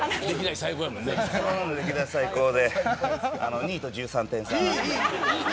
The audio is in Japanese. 歴代最高で２位と１３点差。